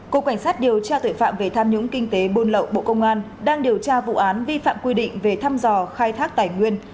cục cảnh sát điều tra tội phạm về tham nhũng kinh tế buôn lậu bộ công an đang điều tra vụ án vi phạm quy định về thăm dò khai thác tài nguyên